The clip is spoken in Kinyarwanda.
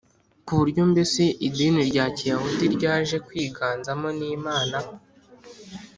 ku buryo mbese idini rya Kiyahudi ryaje kwiganzamo n Imana